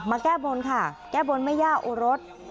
แก้บนค่ะแก้บนแม่ย่าโอรส